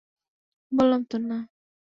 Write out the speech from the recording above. বললাম তো, না।